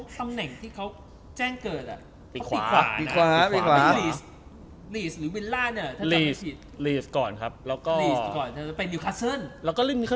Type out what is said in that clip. แล้วก็เล่นได้ปีส์ขวาเหมือนกัน